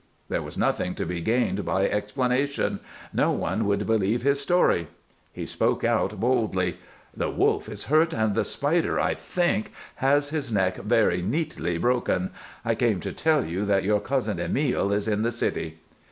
There was nothing to be gained by explanation; no one would believe his story. He spoke out boldly. "The Wolf is hurt, and the Spider, I think, has his neck very neatly broken. I came to tell you that your cousin Emile is in the city."